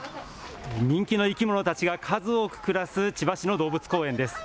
人気の生き物たちが数多く暮らす千葉市の動物公園です。